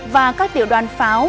và các điều đoàn pháo